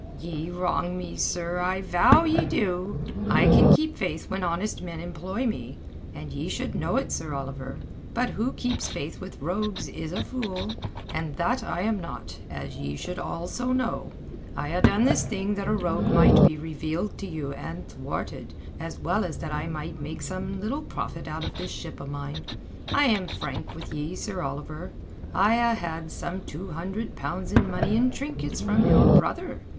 "Ye wrong me, sir, I vow ye do! I can keep faith when honest men employ me, and ye should know it, Sir Oliver. But who keeps faith with rogues is a fool—and that I am not, as ye should also know. I ha' done this thing that a rogue might be revealed to you and thwarted, as well as that I might make some little profit out of this ship o' mine. I am frank with ye, Sir Oliver. I ha' had some two hundred pounds in money and trinkets from your brother.